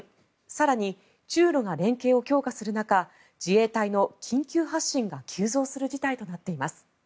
更に中露が連携を強化する中自衛隊の緊急発進が急増する事態となっています。